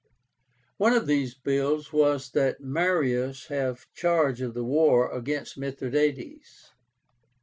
One of these bills was that Marius have charge of the war against Mithradátes.